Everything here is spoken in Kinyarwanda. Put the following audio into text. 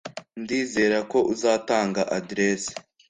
ndizera ko uzatanga adresse.